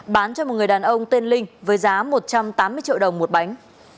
bán cho một người đàn ông tên linh với giá một trăm tám mươi triệu đồng một bánh